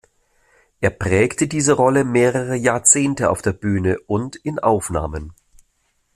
Er prägte diese Rolle mehrere Jahrzehnte auf der Bühne und in Aufnahmen.